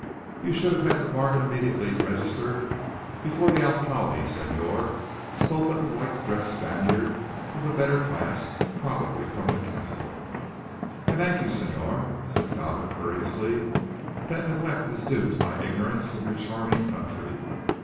"You should have had the bargain immediately registered before the alcalde, señor," spoke up a white dressed Spaniard of the better class, probably from the castle. "I thank you, señor," said Talbot courteously. "That neglect is due to my ignorance of your charming country."